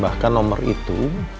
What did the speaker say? bahkan nomor itu